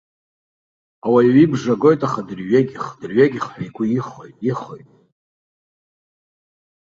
Ауаҩ ибжа агоит, аха дырҩегьых, дырҩегьых ҳәа игәы ихоит, ихоит.